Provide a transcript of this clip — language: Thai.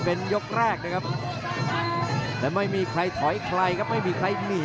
อื้อหือจังหวะขวางแล้วพยายามจะเล่นงานด้วยซอกแต่วงใน